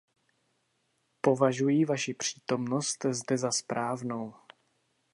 Považuji vaši přítomnost zde za správnou.